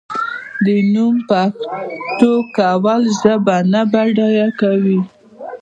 د نوم پښتو کول ژبه نه بډای کوي.